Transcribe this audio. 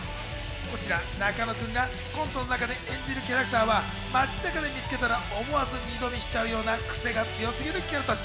中野君がコントの中で演じるキャラクターは、街中で見つけたら思わず二度見しちゃうようなクセが強すぎるキャラたち。